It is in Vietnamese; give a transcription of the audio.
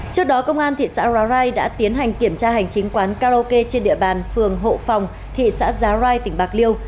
trước đó công an thị xã rai đã tiến hành kiểm tra hành chính quán karaoke trên địa bàn phường hộ phòng thị xã giá rai tỉnh bạc liêu